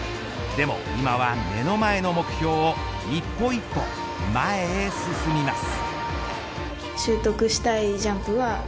でも今は目の前の目標を一歩一歩前へ進みます。